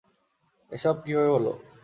এসব কীভাবে হলো?